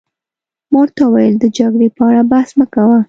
ما ورته وویل: د جګړې په اړه بحث مه کوه.